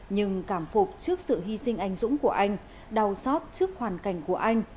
nhưng cảm phục trước sự hy sinh anh dũng của anh đau xót trước hoàn cảnh của anh